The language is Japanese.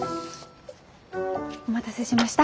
お待たせしました。